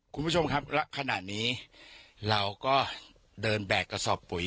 คุณผู้ชมครับณขณะนี้เราก็เดินแบกกระสอบปุ๋ย